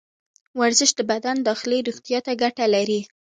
ورزش د بدن داخلي روغتیا ته ګټه لري.